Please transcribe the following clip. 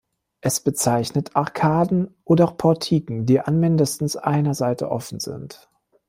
Es bezeichnet Arkaden oder Portiken, die an mindestens einer Seite offen sind.